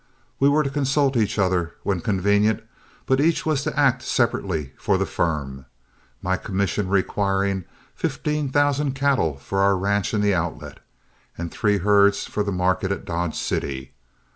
We were to consult each other when convenient, but each was to act separately for the firm, my commission requiring fifteen thousand cattle for our ranch in the Outlet, and three herds for the market at Dodge City.